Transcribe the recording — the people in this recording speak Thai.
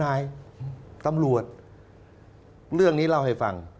นายตำรวจเรื่องนี้เล่าให้ฟัง